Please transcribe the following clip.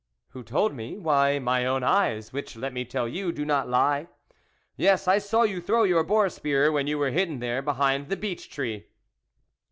" Who told me ? why, my own eyes, which, let me tell you, do not lie. Yes, I saw you throw your boar spear, when you were hidden there, behind the beech tree."